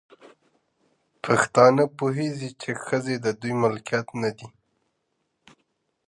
پښتانه پوهيږي، چې ښځې د دوی ملکيت نه دی